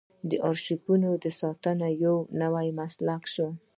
د ارشیفونو ساتنه یو نوی مسلک شو.